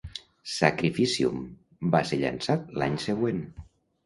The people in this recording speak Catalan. "Sacrificium" va ser llançat l'any següent.